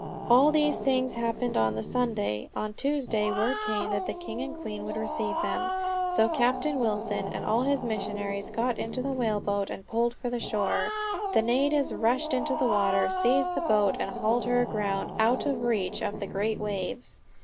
All these things happened on the Sunday. On Tuesday word came that the king and the queen would receive them. So Captain Wilson and all his missionaries got into the whale boat and pulled for the shore. The natives rushed into the water, seized the boat and hauled her aground out of reach of the great waves.